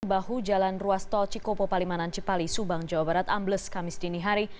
bahu jalan ruas tol cikopo palimanan cipali subang jawa barat ambles kamis dini hari